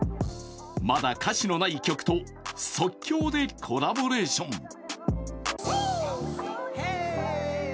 まだ歌詞のない曲と即興でコラボレーション。